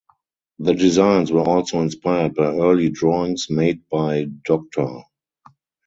The designs were also inspired by early drawings made by Docter.